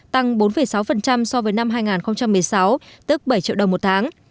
tăng bốn sáu so với năm hai nghìn một mươi sáu tức bảy triệu đồng một tháng